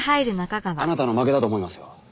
あなたの負けだと思いますよ。